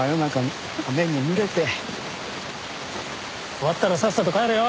終わったらさっさと帰れよ。